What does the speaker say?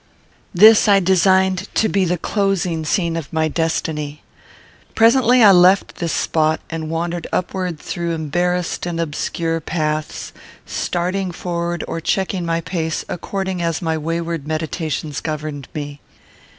This I designed to be the closing scene of my destiny. Presently I left this spot, and wandered upward through embarrassed and obscure paths, starting forward or checking my pace, according as my wayward meditations governed me.